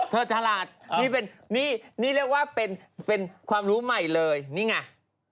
ฉลาดนี่เป็นนี่นี่เรียกว่าเป็นความรู้ใหม่เลยนี่ไง